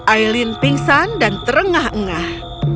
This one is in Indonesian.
aileen pingsan dan terengah engah